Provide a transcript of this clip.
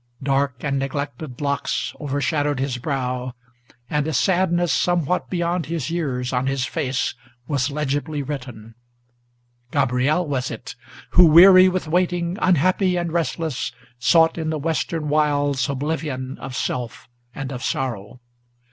Dark and neglected locks overshadowed his brow, and a sadness Somewhat beyond his years on his face was legibly written. Gabriel was it, who, weary with waiting, unhappy and restless, Sought in the Western wilds oblivion of self and of sorrow.